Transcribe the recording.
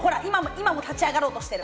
今も立ち上がろうとしてる。